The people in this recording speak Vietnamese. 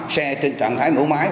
xe trên trạng thái nổ máy